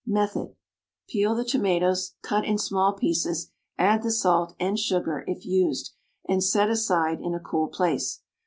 Method. Peel the tomatoes, cut in small pieces, add the salt, and sugar, if used, and set aside in a cool place.